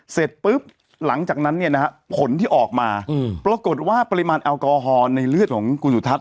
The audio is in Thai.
เสร็จปุ๊บหลังจากนั้นเนี่ยนะฮะผลที่ออกมาปรากฏว่าปริมาณแอลกอฮอล์ในเลือดของคุณสุทัศ